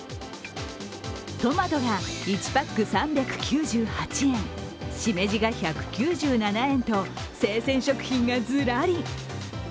トマトが１パック３９８円、しめじが１９７円と生鮮食品がずらり。